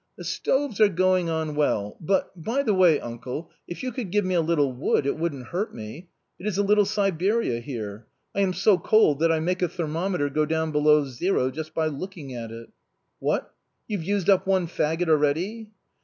" The stoves are going on well ; but, by the way, uncle, if you could give me a little wood, it wouldn't hurt me. It ALI RODOLPHE ; OR, THE TURK PERFORCE. 57 is a little Siberia here. I am so cold^ that I make a ther mometer go down below zero by just looking at it." " What ! you've used up one faggot already